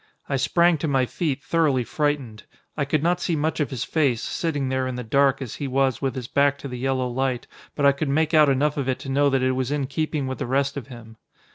I sprang to my feet thoroughly frightened. I could not see much of his face, sitting there in the dark as he was with his back to the yellow light, but I could make out enough of it to know that it was in keeping with the rest of him.